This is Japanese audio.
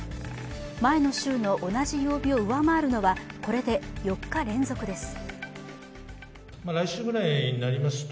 前の週の同じ曜日を上回るのは、これで４日連続です。